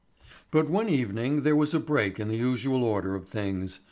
But one evening there was a break in the usual order of things.